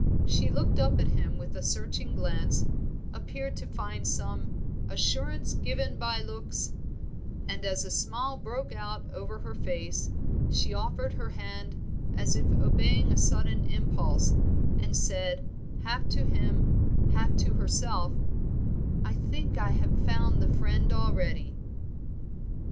She looked up at him with a searching glance, appeared to find some 'assurance given by looks,' and as a smile broke over her face she offered her hand as if obeying a sudden impulse, and said, half to him, half to herself "I think I have found the friend already."